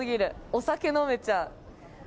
お酒飲めちゃう。